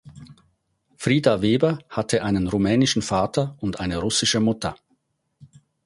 Frida Weber hatte einen rumänischen Vater und eine russische Mutter.